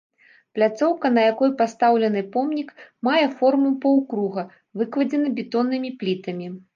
Пляцоўка, на якой пастаўлены помнік, мае форму паўкруга, выкладзена бетоннымі плітамі.